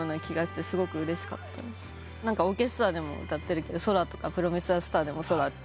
『オーケストラ』でも歌ってるけど「空」とか『プロミスザスター』でも「空」って。